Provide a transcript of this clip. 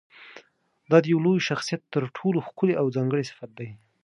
دا د یوه لوی شخصیت تر ټولو ښکلی او ځانګړی صفت دی.